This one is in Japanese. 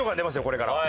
これから。